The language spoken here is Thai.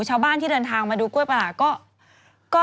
ชาวบ้านที่เดินทางมาดูกล้วยประหลาดก็